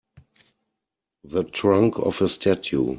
The trunk of a statue.